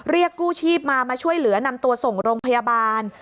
เรียกกู้ชีพมามาช่วยเหลือนำตัวส่งโรงพยาบาล